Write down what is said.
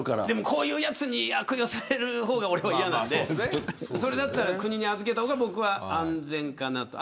こういうやつに悪用される方が俺は嫌なんでそれだったら国に預けた方が僕は安全かなと。